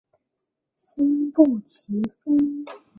坤布崎峰